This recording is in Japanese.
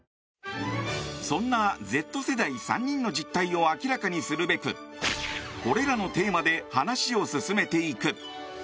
そんなＺ世代３人の実態を明らかにするべくこれらのテーマで話を進めていく。